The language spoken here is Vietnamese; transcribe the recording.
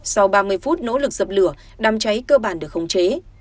sau ba mươi phút nỗ lực dập lửa đám cháy cơ bản được khống chế